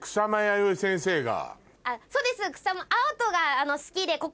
そうです。